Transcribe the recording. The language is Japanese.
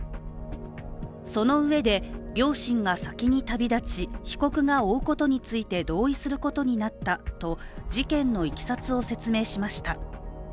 そのうえで、両親が先に旅立ち被告が追うことについて同意することになったと、事件にいきさつを説明しました。